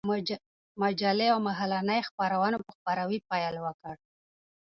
مجلې او مهالنۍ خپرونو په خپراوي پيل وكړ.